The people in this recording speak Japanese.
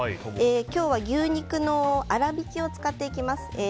今日は牛肉の粗びきを使っていきます。